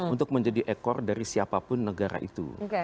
untuk menjadi ekor dari siapapun negara itu